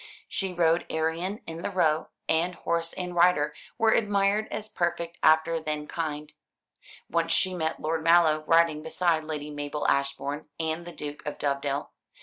She rode Arion in the Row, and horse and rider were admired as perfect after then kind. Once she met Lord Mallow, riding beside Lady Mabel Ashbourne and the Duke of Dovedale.